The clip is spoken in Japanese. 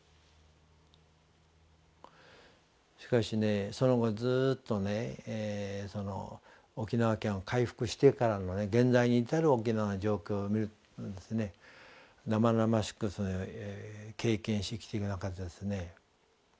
しかしねその後ずっとね沖縄県が回復してからの現在に至る沖縄の状況を見ると生々しくそれを経験して生きていく中でですね